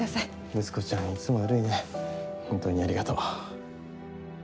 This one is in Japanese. むつ子ちゃんいつも悪いねホントにありがとう。